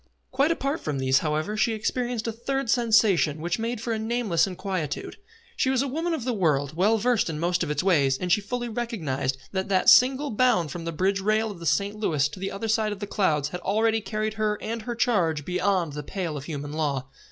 Quite apart from these, however, she experienced a third sensation which made for a nameless inquietude. She was a woman of the world, well versed in most of its ways, and she fully recognised that that single bound from the bridge rail of the St. Louis to the other side of the clouds had already carried her and her charge beyond the pale of human law.